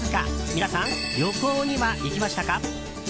皆さん、旅行には行きましたか？